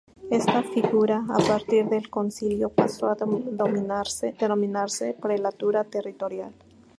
Esta figura, a partir del Concilio, pasó a denominarse "prelatura territorial".